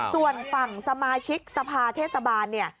ส่วนฝั่งสมาชิกสภาเทศบาล